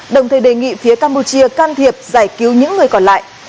đồng thời đề nghị phía campuchia can thiệp giải cứu những người còn lại